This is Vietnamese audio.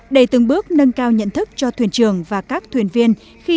để từng bước nâng cao nhận thức cho thuyền trường và các thuyền viên